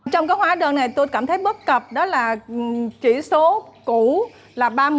trong cái hóa đơn này tôi cảm thấy bất cập đó là chỉ số cũ là ba mươi